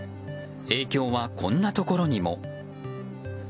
影響は、こんなところにも。